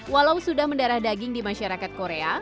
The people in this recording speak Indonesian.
walau sudah mendarah daging di masyarakat korea